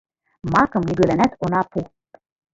Макым нигӧланат она пу!